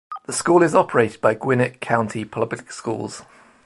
The school is operated by Gwinnett County Public Schools.